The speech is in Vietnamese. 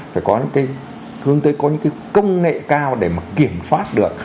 phải hướng tới có những cái công nghệ cao để kiểm soát được